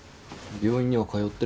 病院には通ってるって？